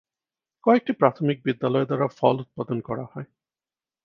কয়েকটি প্রাথমিক বিদ্যালয় দ্বারা ফল উৎপাদন করা হয়।